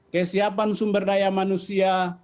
kesiapan sumber daya manusia